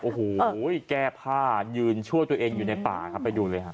โอ้โหแก้พลาดยืนชั่วตัวเองอยู่ในป่าไปดูเลยครับ